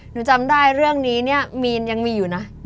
หนูจำได้เรื่องนี้เนี่ยมีนยังมีอยู่นะ